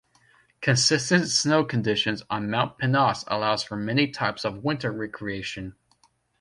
Consistent snow conditions on Mount Pinos allows for many types of winter recreation.